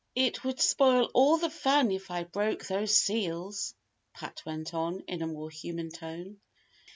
"It would spoil all the fun if I broke those seals," Pat went on, in a more human tone.